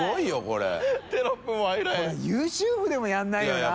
これＹｏｕＴｕｂｅでもやらないよな。